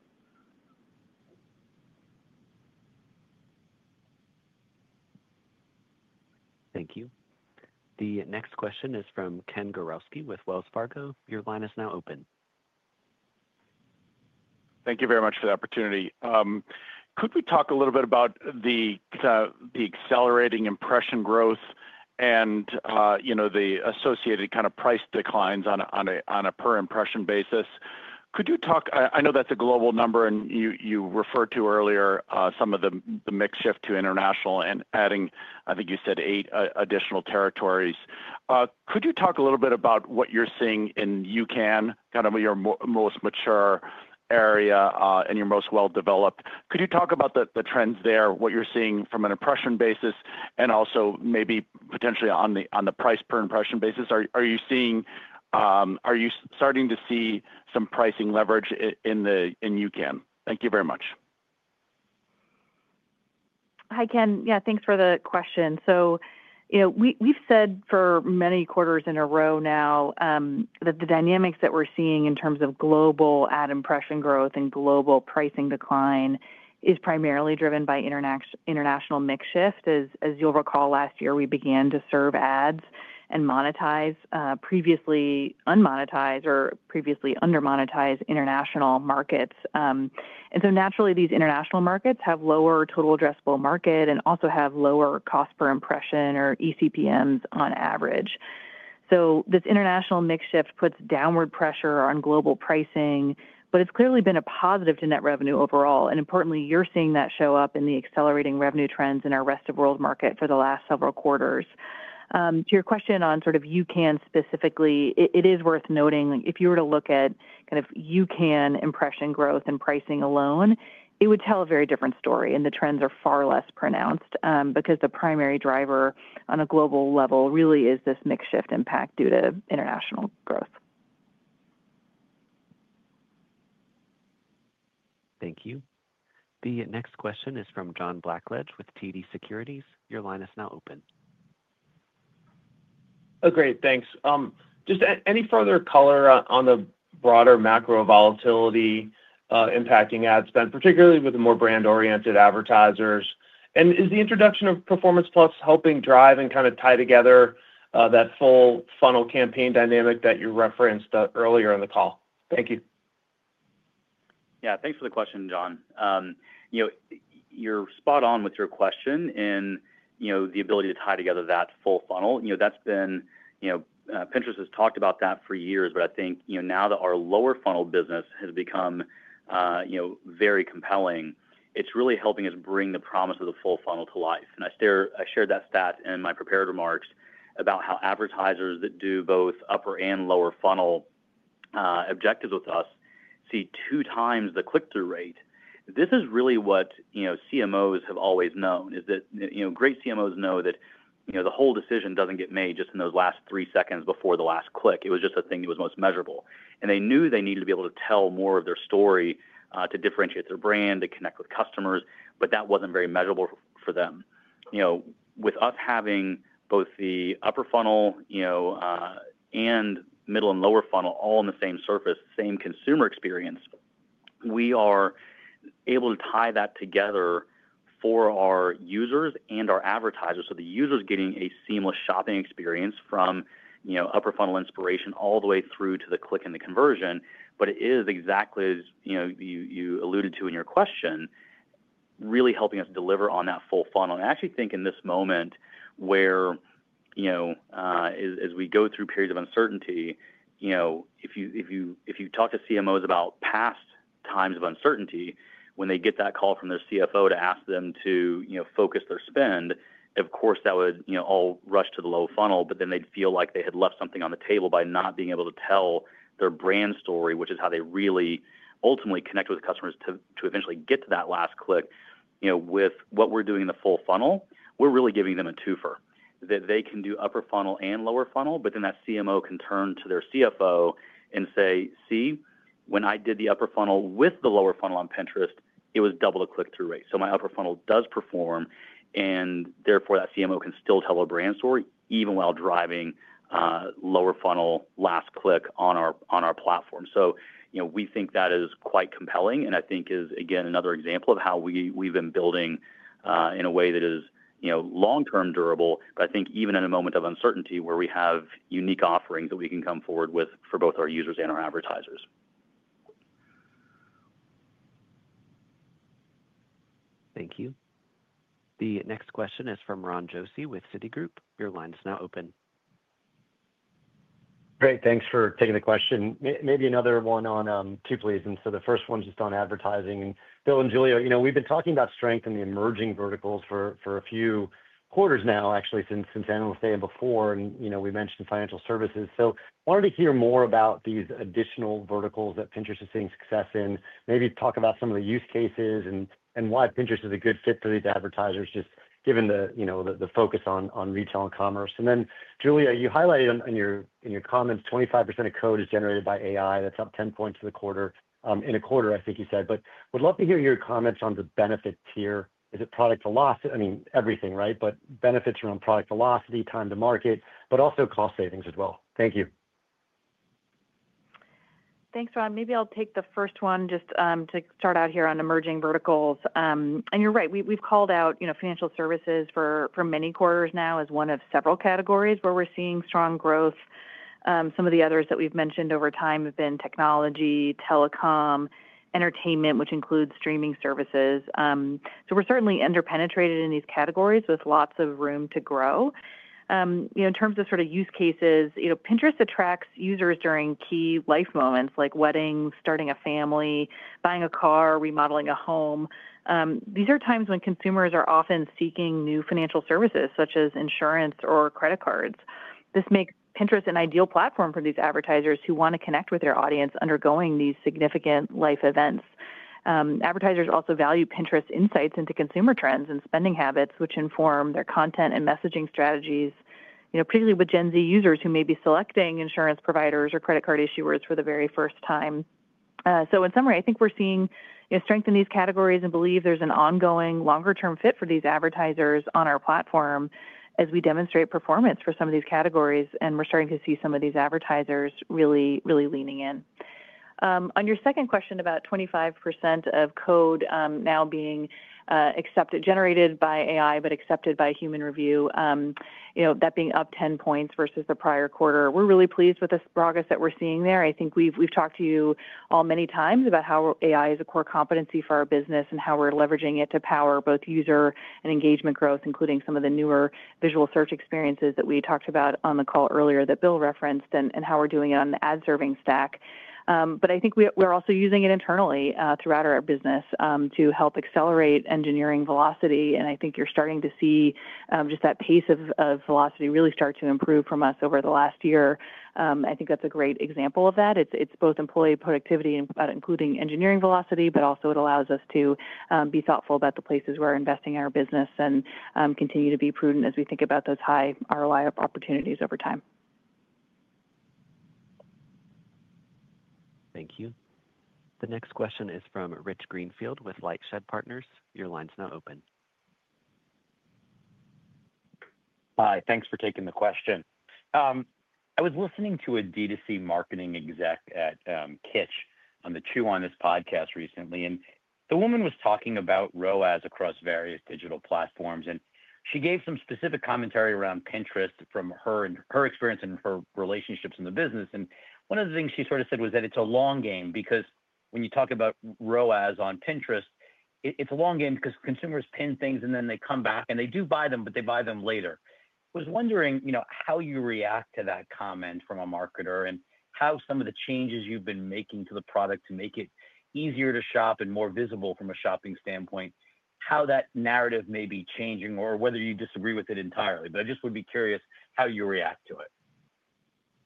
Thank you. The next question is from Ken Gawrelski with Wells Fargo. Your line is now open. Thank you very much for the opportunity. Could we talk a little bit about the accelerating impression growth and the associated kind of price declines on a per impression basis? Could you talk? I know that's a global number, and you referred to earlier some of the mix shift to international and adding, I think you said, eight additional territories. Could you talk a little bit about what you're seeing in UCAN, kind of your most mature area and your most well-developed? Could you talk about the trends there, what you're seeing from an impression basis and also maybe potentially on the price per impression basis? Are you starting to see some pricing leverage in UCAN? Thank you very much. Hi, Ken. Yeah, thanks for the question. So we've said for many quarters in a row now that the dynamics that we're seeing in terms of global ad impression growth and global pricing decline is primarily driven by international mix shift. As you'll recall, last year, we began to serve ads and monetize, previously unmonetized or previously undermonetized international markets. And so naturally, these international markets have lower total addressable market and also have lower cost per impression or ECPMs on average. So this international mix shift puts downward pressure on global pricing, but it's clearly been a positive to net revenue overall. Importantly, you're seeing that show up in the accelerating revenue trends in our Rest of World market for the last several quarters. To your question on sort of UCAN specifically, it is worth noting if you were to look at kind of UCAN impression growth and pricing alone, it would tell a very different story, and the trends are far less pronounced because the primary driver on a global level really is this mix shift impact due to international growth. Thank you. The next question is from John Blackledge with TD Securities. Your line is now open. Oh, great. Thanks. Just any further color on the broader macro volatility impacting ad spend, particularly with the more brand-oriented advertisers? And is the introduction of Performance Plus helping drive and kind of tie together that full funnel campaign dynamic that you referenced earlier in the call? Thank you. Yeah. Thanks for the question, John. You're spot on with your question in the ability to tie together that full funnel. Pinterest has talked about that for years, but I think now that our lower funnel business has become very compelling, it's really helping us bring the promise of the full funnel to life. And I shared that stat in my prepared remarks about how advertisers that do both upper and lower funnel objectives with us see two times the click-through rate. This is really what CMOs have always known, is that great CMOs know that the whole decision doesn't get made just in those last three seconds before the last click. It was just the thing that was most measurable. And they knew they needed to be able to tell more of their story to differentiate their brand, to connect with customers, but that wasn't very measurable for them. With us having both the upper funnel and middle and lower funnel all on the same surface, same consumer experience, we are able to tie that together for our users and our advertisers. So the user's getting a seamless shopping experience from upper funnel inspiration all the way through to the click and the conversion, but it is exactly as you alluded to in your question, really helping us deliver on that full funnel. I actually think in this moment where as we go through periods of uncertainty, if you talk to CMOs about past times of uncertainty, when they get that call from their CFO to ask them to focus their spend, of course, that would all rush to the lower funnel, but then they'd feel like they had left something on the table by not being able to tell their brand story, which is how they really ultimately connect with customers to eventually get to that last click. With what we're doing in the full funnel, we're really giving them a twofer, that they can do upper funnel and lower funnel, but then that CMO can turn to their CFO and say, "See, when I did the upper funnel with the lower funnel on Pinterest, it was double the click-through rate. So my upper funnel does perform, and therefore that CMO can still tell a brand story even while driving lower funnel last click on our platform." So we think that is quite compelling and I think is, again, another example of how we've been building in a way that is long-term durable, but I think even in a moment of uncertainty where we have unique offerings that we can come forward with for both our users and our advertisers. Thank you. The next question is from Ron Josey with Citigroup. Your line is now open. Great. Thanks for taking the question. Maybe another one or two please. And so the first one's just on advertising. And Bill and Julia, we've been talking about strength in the emerging verticals for a few quarters now, actually, since Analyst Day and before, and we mentioned financial services. I wanted to hear more about these additional verticals that Pinterest is seeing success in, maybe talk about some of the use cases and why Pinterest is a good fit for these advertisers, just given the focus on retail and commerce. And then, Julia, you highlighted in your comments, 25% of code is generated by AI. That's up 10 points in a quarter, I think you said. But would love to hear your comments on the benefit tier. Is it product velocity? I mean, everything, right? But benefits around product velocity, time to market, but also cost savings as well. Thank you. Thanks, Ron. Maybe I'll take the first one just to start out here on emerging verticals. And you're right. We've called out financial services for many quarters now as one of several categories where we're seeing strong growth. Some of the others that we've mentioned over time have been technology, telecom, entertainment, which includes streaming services. So we're certainly underpenetrated in these categories with lots of room to grow. In terms of sort of use cases, Pinterest attracts users during key life moments like weddings, starting a family, buying a car, remodeling a home. These are times when consumers are often seeking new financial services such as insurance or credit cards. This makes Pinterest an ideal platform for these advertisers who want to connect with their audience undergoing these significant life events. Advertisers also value Pinterest insights into consumer trends and spending habits, which inform their content and messaging strategies, particularly with Gen Z users who may be selecting insurance providers or credit card issuers for the very first time. So in summary, I think we're seeing strength in these categories and believe there's an ongoing longer-term fit for these advertisers on our platform as we demonstrate performance for some of these categories, and we're starting to see some of these advertisers really, really leaning in. On your second question about 25% of code now being generated by AI but accepted by human review, that being up 10 points versus the prior quarter, we're really pleased with the progress that we're seeing there. I think we've talked to you all many times about how AI is a core competency for our business and how we're leveraging it to power both user and engagement growth, including some of the newer visual search experiences that we talked about on the call earlier that Bill referenced and how we're doing it on the ad-serving stack. But I think we're also using it internally throughout our business to help accelerate engineering velocity. And I think you're starting to see just that pace of velocity really start to improve from us over the last year. I think that's a great example of that. It's both employee productivity, including engineering velocity, but also it allows us to be thoughtful about the places we're investing in our business and continue to be prudent as we think about those high ROI opportunities over time. Thank you. The next question is from Rich Greenfield with LightShed Partners. Your line's now open. Hi. Thanks for taking the question. I was listening to a D2C marketing exec at Kitsch on the Chew On This podcast recently, and the woman was talking about ROAS across various digital platforms. And she gave some specific commentary around Pinterest from her experience and her relationships in the business. And one of the things she sort of said was that it's a long game because when you talk about ROAS on Pinterest, it's a long game because consumers pin things and then they come back and they do buy them, but they buy them later. I was wondering how you react to that comment from a marketer and how some of the changes you've been making to the product to make it easier to shop and more visible from a shopping standpoint, how that narrative may be changing or whether you disagree with it entirely. But I just would be curious how you react to it.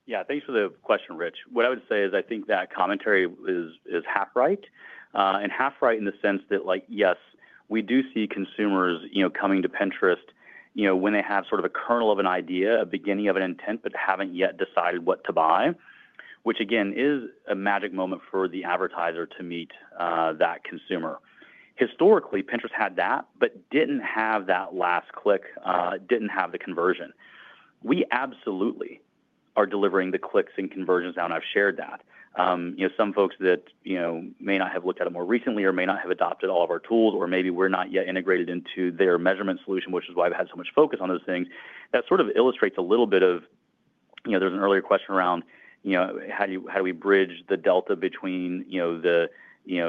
Yeah. Thanks for the question, Rich. What I would say is I think that commentary is half right. And half right in the sense that, yes, we do see consumers coming to Pinterest when they have sort of a kernel of an idea, a beginning of an intent, but haven't yet decided what to buy, which, again, is a magic moment for the advertiser to meet that consumer. Historically, Pinterest had that, but didn't have that last click, didn't have the conversion. We absolutely are delivering the clicks and conversions now, and I've shared that. Some folks that may not have looked at it more recently or may not have adopted all of our tools, or maybe we're not yet integrated into their measurement solution, which is why we've had so much focus on those things. That sort of illustrates a little bit of there's an earlier question around how do we bridge the delta between the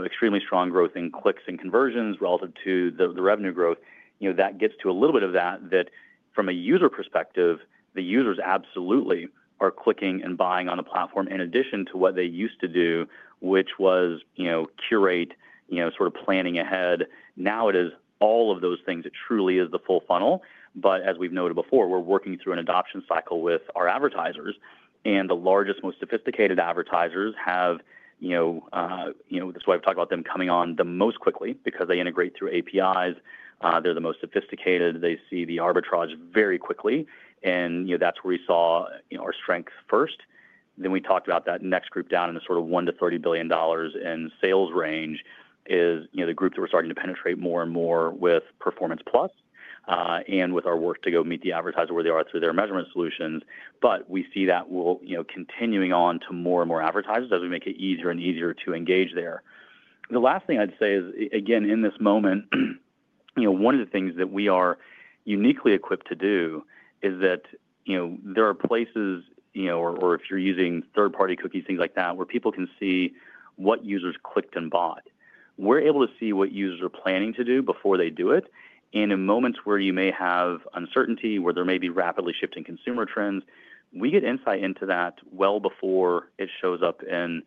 extremely strong growth in clicks and conversions relative to the revenue growth. That gets to a little bit of that, that from a user perspective, the users absolutely are clicking and buying on the platform in addition to what they used to do, which was curate, sort of planning ahead. Now it is all of those things that truly is the full funnel. But as we've noted before, we're working through an adoption cycle with our advertisers. And the largest, most sophisticated advertisers have, that's why we've talked about them coming on the most quickly because they integrate through APIs. They're the most sophisticated. They see the arbitrage very quickly. And that's where we saw our strength first. Then we talked about that next group down in the sort of $1 billion to $30 billion in sales range is the group that we're starting to penetrate more and more with Performance Plus and with our work to go meet the advertiser where they are through their measurement solutions. But we see that continuing on to more and more advertisers as we make it easier and easier to engage there. The last thing I'd say is, again, in this moment, one of the things that we are uniquely equipped to do is that there are places, or if you're using third-party cookies, things like that, where people can see what users clicked and bought. We're able to see what users are planning to do before they do it. And in moments where you may have uncertainty, where there may be rapidly shifting consumer trends, we get insight into that well before it shows up in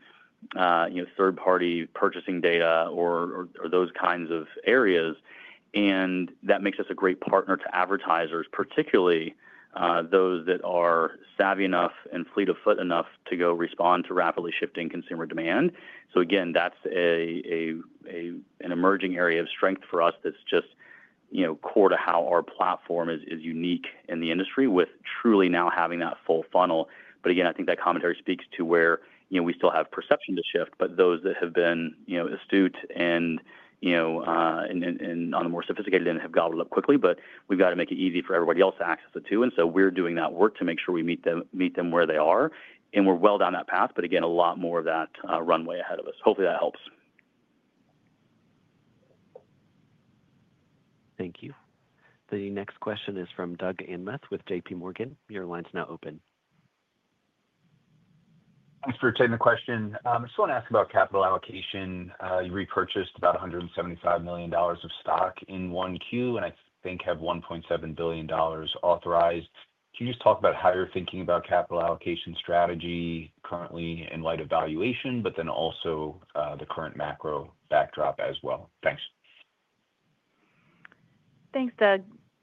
third-party purchasing data or those kinds of areas. And that makes us a great partner to advertisers, particularly those that are savvy enough and fleet of foot enough to go respond to rapidly shifting consumer demand. So again, that's an emerging area of strength for us that's just core to how our platform is unique in the industry with truly now having that full funnel. But again, I think that commentary speaks to where we still have perception to shift, but those that have been astute and on the more sophisticated end have gobbled up quickly, but we've got to make it easy for everybody else to access it too. And so we're doing that work to make sure we meet them where they are. And we're well down that path, but again, a lot more of that runway ahead of us. Hopefully, that helps. Thank you. The next question is from Doug Anmuth with JPMorgan. Your line's now open. Thanks for taking the question. I just want to ask about capital allocation. You repurchased about $175 million of stock in Q1 and I think have $1.7 billion authorized. Can you just talk about how you're thinking about capital allocation strategy currently in light of valuation, but then also the current macro backdrop as well? Thanks. Thanks, Doug.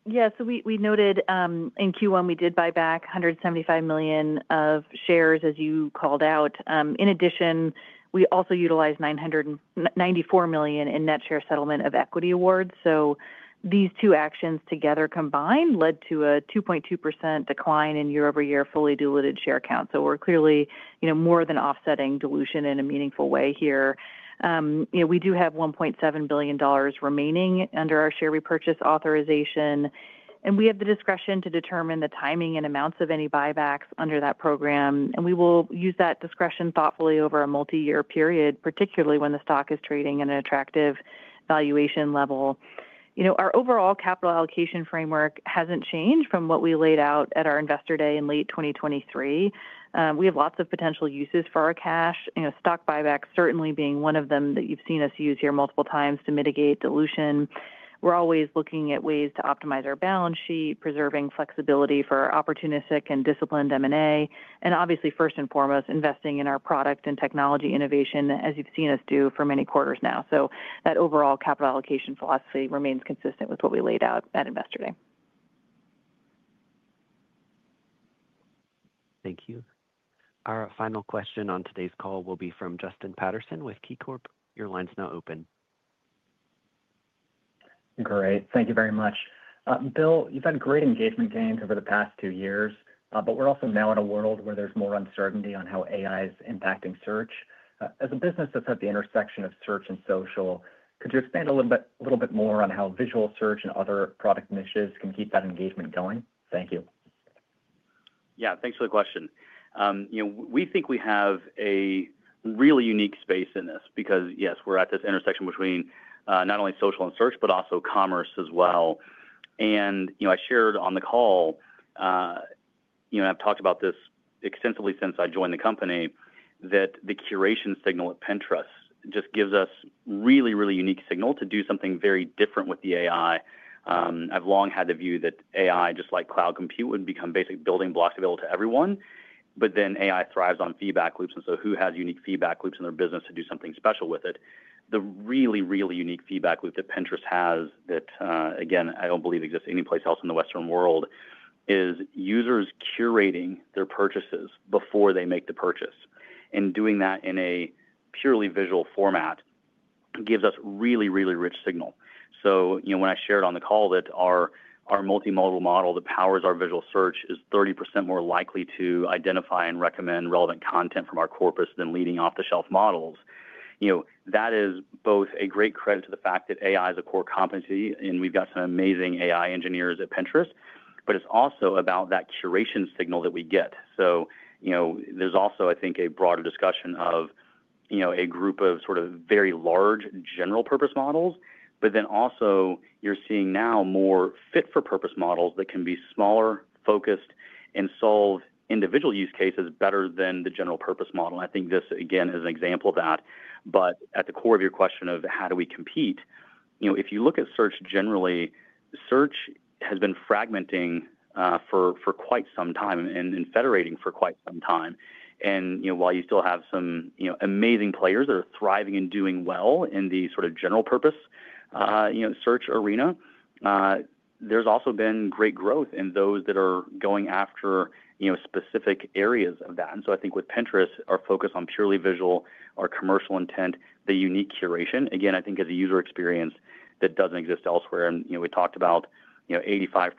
Yeah. So we noted in Q1, we did buy back 175 million of shares as you called out. In addition, we also utilized 94 million in net share settlement of equity awards. So these two actions together combined led to a 2.2% decline in year over year fully diluted share count. So we're clearly more than offsetting dilution in a meaningful way here. We do have $1.7 billion remaining under our share repurchase authorization. And we have the discretion to determine the timing and amounts of any buybacks under that program. And we will use that discretion thoughtfully over a multi-year period, particularly when the stock is trading at an attractive valuation level. Our overall capital allocation framework hasn't changed from what we laid out at our Investor Day in late 2023. We have lots of potential uses for our cash. Stock buybacks certainly being one of them that you've seen us use here multiple times to mitigate dilution. We're always looking at ways to optimize our balance sheet, preserving flexibility for opportunistic and disciplined M&A, and obviously, first and foremost, investing in our product and technology innovation, as you've seen us do for many quarters now. So that overall capital allocation philosophy remains consistent with what we laid out at Investor Day. Thank you. Our final question on today's call will be from Justin Patterson with KeyCorp. Your line's now open. Great. Thank you very much. Bill, you've had great engagement gains over the past two years, but we're also now in a world where there's more uncertainty on how AI is impacting search. As a business that's at the intersection of search and social, could you expand a little bit more on how visual search and other product niches can keep that engagement going? Thank you. Yeah. Thanks for the question. We think we have a really unique space in this because, yes, we're at this intersection between not only social and search, but also commerce as well. And I shared on the call, and I've talked about this extensively since I joined the company, that the curation signal at Pinterest just gives us a really, really unique signal to do something very different with the AI. I've long had the view that AI, just like cloud compute, would become basic building blocks available to everyone. But then AI thrives on feedback loops. And so who has unique feedback loops in their business to do something special with it? The really, really unique feedback loop that Pinterest has that, again, I don't believe exists anyplace else in the Western World is users curating their purchases before they make the purchase. And doing that in a purely visual format gives us a really, really rich signal. So when I shared on the call that our multimodal model that powers our visual search is 30% more likely to identify and recommend relevant content from our corpus than leading off-the-shelf models, that is both a great credit to the fact that AI is a core competency, and we've got some amazing AI engineers at Pinterest, but it's also about that curation signal that we get. So there's also, I think, a broader discussion of a group of sort of very large general-purpose models, but then also you're seeing now more fit-for-purpose models that can be smaller, focused, and solve individual use cases better than the general-purpose model. And I think this, again, is an example of that. At the core of your question of how do we compete, if you look at search generally, search has been fragmenting for quite some time and federating for quite some time. While you still have some amazing players that are thriving and doing well in the sort of general-purpose search arena, there's also been great growth in those that are going after specific areas of that. I think with Pinterest, our focus on purely visual, our commercial intent, the unique curation, again, I think is a user experience that doesn't exist elsewhere. We talked about 85%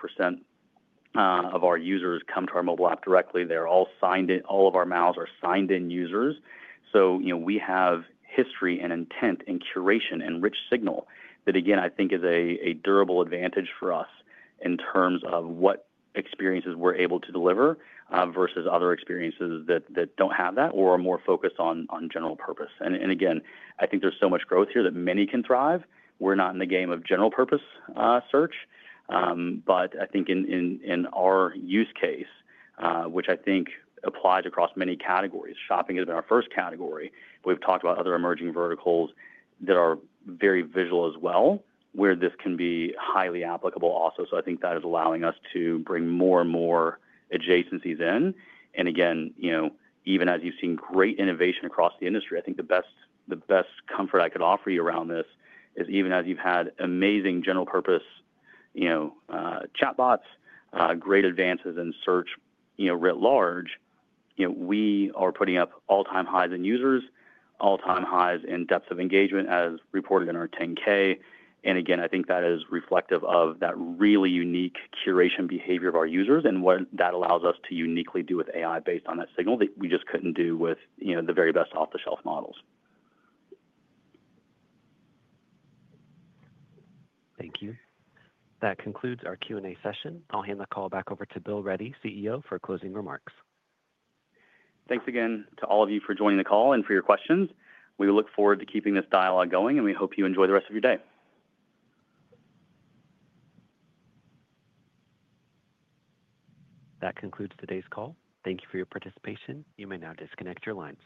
of our users come to our mobile app directly. They're all signed in. All of our MAUs are signed-in users. So we have history and intent and curation and rich signal that, again, I think is a durable advantage for us in terms of what experiences we're able to deliver versus other experiences that don't have that or are more focused on general purpose. And again, I think there's so much growth here that many can thrive. We're not in the game of general-purpose search. But I think in our use case, which I think applies across many categories, shopping has been our first category. We've talked about other emerging verticals that are very visual as well, where this can be highly applicable also. So I think that is allowing us to bring more and more adjacencies in. And again, even as you've seen great innovation across the industry, I think the best comfort I could offer you around this is even as you've had amazing general-purpose chatbots, great advances in search writ large, we are putting up all-time highs in users, all-time highs in depth of engagement as reported in our 10-K. And again, I think that is reflective of that really unique curation behavior of our users and what that allows us to uniquely do with AI based on that signal that we just couldn't do with the very best off-the-shelf models. Thank you. That concludes our Q and A session. I'll hand the call back over to Bill Ready, CEO, for closing remarks. Thanks again to all of you for joining the call and for your questions. We look forward to keeping this dialogue going, and we hope you enjoy the rest of your day. That concludes today's call. Thank you for your participation. You may now disconnect your line.